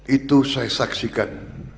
itu saya saksikan